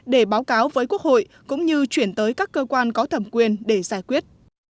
để báo cáo với quốc hội cũng như chuyển tới các cơ quan có thẩm quyền để giải quyết